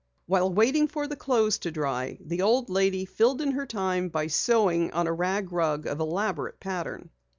While waiting for the clothes to dry, the old lady filled in her time by sewing on a rag rug of elaborate pattern.